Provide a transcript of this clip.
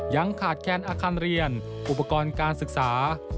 ยังขาดแคนอาคารเรียนอุปกรณ์การศึกษา